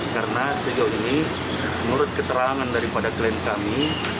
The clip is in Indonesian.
karena sejauh ini menurut keterangan daripada klaim kami